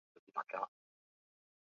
此次战役以中国军队失败而告终。